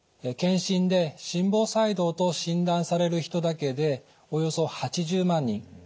検診で心房細動と診断される人だけでおよそ８０万人。